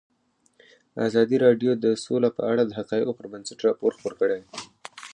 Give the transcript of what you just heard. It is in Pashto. ازادي راډیو د سوله په اړه د حقایقو پر بنسټ راپور خپور کړی.